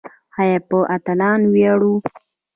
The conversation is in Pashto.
آیا په اتلانو ویاړو؟